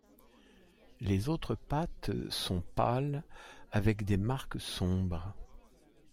Les autres pattes sont pâles avec des marques sombres.